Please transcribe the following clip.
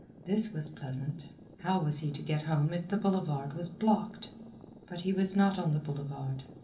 This was pleasant. How was he to get home if the boulevard was blocked? But he was not on the boulevard.